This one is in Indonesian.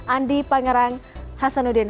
andi pangerang hasanuddin